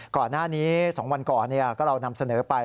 ก่อนหน้านี้๒วันก่อนก็เรานำเสนอไป